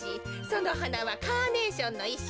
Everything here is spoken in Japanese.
そのはなはカーネーションのいっ